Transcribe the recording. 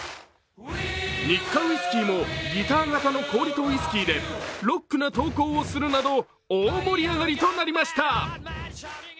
ニッカウヰスキーもギター形の氷とウイスキーでロックな投稿をするなど大盛り上がりとなりました。